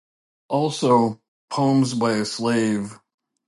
Also, Poems by a Slave.